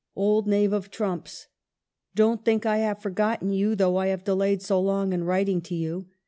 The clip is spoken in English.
"Old Knave of Trumps, " Don't think I have forgotten you though I have delayed so long in writing to you.